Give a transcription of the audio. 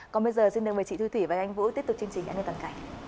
còn bây giờ xin đừng mời chị thư thủy và anh vũ tiếp tục chương trình an ninh toàn cảnh